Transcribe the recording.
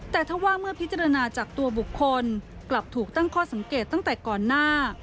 แต่ถ้าว่าเมื่อพิจารณาจากตัวบุคคลกลับถูกตั้งข้อสังเกตตั้งแต่ก่อนหน้า